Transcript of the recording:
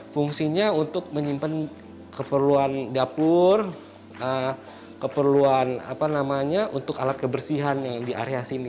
fungsinya untuk menyimpan keperluan dapur keperluan untuk alat kebersihan yang di area sini